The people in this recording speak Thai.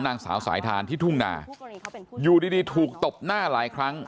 นางสาวสายทานที่ทุ่งนาอยู่ดีถูกตบหน้าหลายครั้ง